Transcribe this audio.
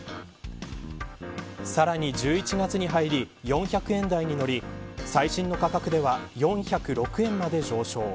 さらに１１月に入り４００円台に乗り最新の価格では４０６円まで上昇。